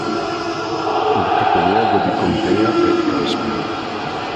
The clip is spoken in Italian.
Il capoluogo di contea è Casper.